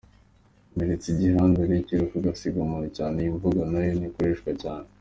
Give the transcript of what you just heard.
Amweretse igihandure !”: Kwiruka ugasiga umuntu cyane iyi mvugo nayo ntikoreshwa cyane.